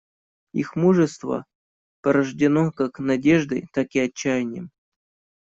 Их мужество порождено как надеждой, так и отчаянием.